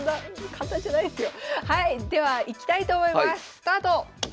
スタート。